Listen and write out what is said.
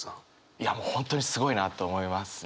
いやもう本当にすごいなと思いますね。